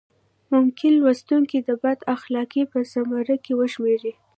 ممکن لوستونکي د بد اخلاقۍ په زمره کې وشمېري.